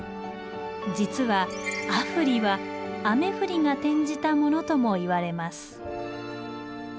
実は「阿夫利」は「雨降り」が転じたものともいわれます。